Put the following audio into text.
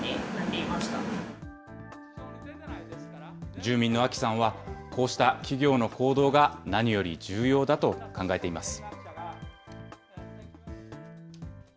住民の安岐さんは、こうした企業の行動が何より重要だと考えています。